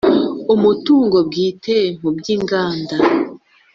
umutungo bwite mu by inganda